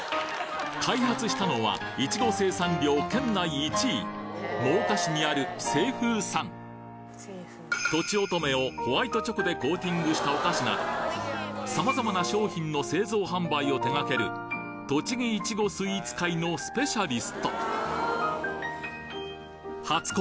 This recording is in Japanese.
開発したのはイチゴ生産量県内１位とちおとめをホワイトチョコでコーティングしたお菓子など様々な商品の製造販売を手掛ける栃木イチゴスイーツ界のスペシャリスト初恋